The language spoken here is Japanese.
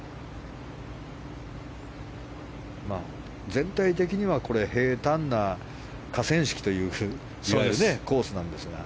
全体的には平たんな河川敷というコースなんですが。